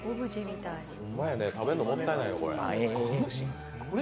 食べんのもったいないわ。